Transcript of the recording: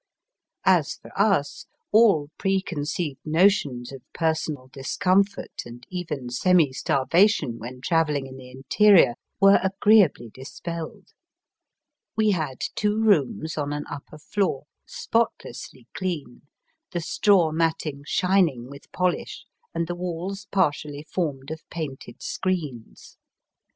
As for us all preconceived notions of per sonal discomfort, and even semi starvation when travelling in the interior, were agree ably dispelled. We had two rooms on an upper floor, spotlessly clean, the straw mat ting shining with polish, and the walls par tially formed of painted screens.